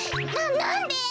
ななんで？